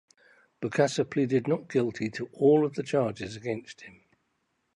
Bokassa pleaded not guilty to all of the charges against him.